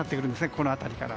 この辺りから。